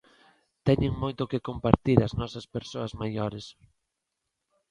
Teñen moito que compartir as nosas persoas maiores.